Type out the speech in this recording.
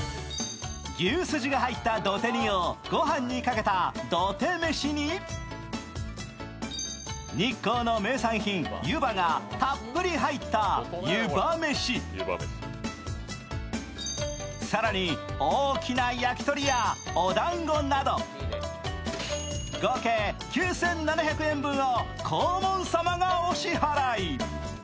牛すじが入った土手煮をご飯にかけた土手めしに日光の名産品ゆばがたっぷり入ったゆば飯、更に大きな焼鳥やおだんごなど、合計９７００円分を黄門様がお支払い。